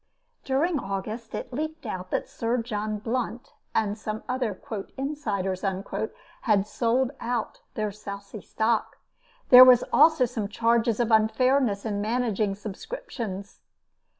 During August, it leaked out that Sir John Blunt and some other "insiders" had sold out their South Sea stock. There was also some charges of unfairness in managing subscriptions.